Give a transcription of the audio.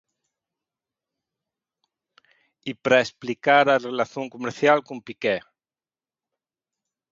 E para explicar a relación comercial con Piqué.